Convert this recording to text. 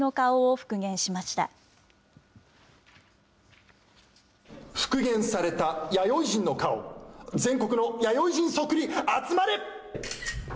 復元された弥生人の顔、全国の弥生人そっくり、集まれ！